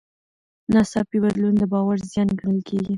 ناڅاپي بدلون د باور زیان ګڼل کېږي.